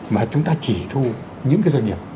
mà chúng ta chỉ thu những cái doanh nghiệp